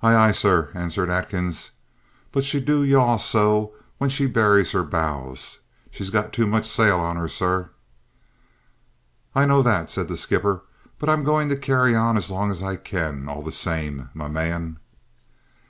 "Aye, aye, sir," answered Atkins. "But she do yaw so, when she buries her bows. She's got too much sail on her, sir." "I know that," said the skipper. "But I'm going to carry on as long as I can, all the same, my man."